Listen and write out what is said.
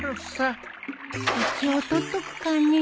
一応撮っとくかね。